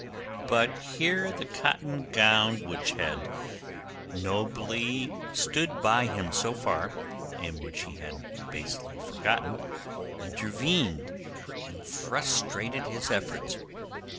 But here the cotton gown, which had nobly stood by him so far, and which he had basely forgotten, intervened, and frustrated his efforts.